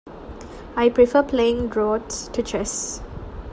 I prefer playing draughts to chess